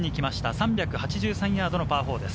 ３８３ヤードのパー４です。